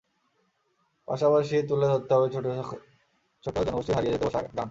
পাশাপাশি তুলে ধরতে হবে ছোট ছোট জনগোষ্ঠীর হারিয়ে যেতে বসা গান।